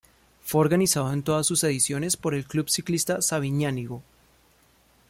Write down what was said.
Fue organizada en todas sus ediciones por el Club Ciclista Sabiñánigo.